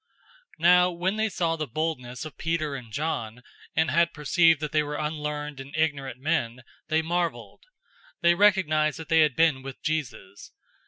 004:013 Now when they saw the boldness of Peter and John, and had perceived that they were unlearned and ignorant men, they marveled. They recognized that they had been with Jesus.